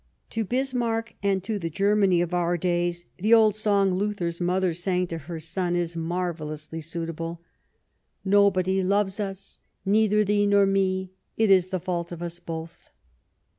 To Bismarck and to the Germany of our days the old song Luther's mother sang to her son is mar 238 Last Fights vellously suitable :" Nobody loves us, neither thee nor me ; it is the fault of us both."